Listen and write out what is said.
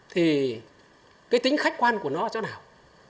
thì cái tính khách quan của nó ở chỗ nào